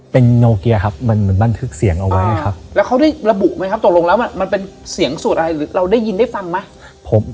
เป็นโนเกียครับมันเหมือนบันทึกเสียงเอาไว้ครับแล้วเขาได้ระบุไหมครับตกลงแล้วมันเป็นเสียงสูตรอะไรเราได้ยินได้ฟังไหม